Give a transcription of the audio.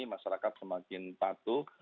masyarakat semakin patuh